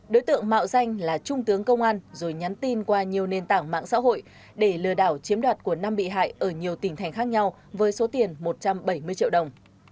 đối tượng mạo danh là trung tướng công an rồi nhắn tin qua nhiều nền tảng mạng xã hội để lừa đảo chiếm đoạt của năm bị hại ở nhiều tỉnh thành khác nhau với số tiền một trăm bảy mươi triệu đồng